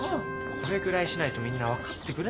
これくらいしないとみんな分かってくれないんですよ。